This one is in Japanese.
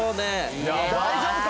大丈夫か？